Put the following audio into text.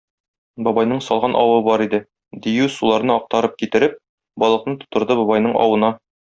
Бабайның салган авы бар иде; дию, суларны актарып китереп, балыкны тутырды бабайның авына.